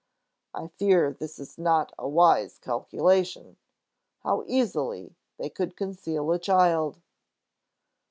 I fear this is not a wise calculation. How easily they could conceal a child!"